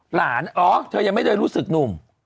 เหรออ๋อเธอยังไม่ได้รู้สึกหนุ่ม